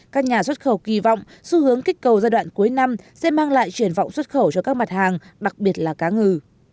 các nhà xuất khẩu kỳ vọng xu hướng kích cầu giai đoạn cuối năm sẽ mang lại triển vọng xuất khẩu cho các mặt hàng đặc biệt là cá ngừ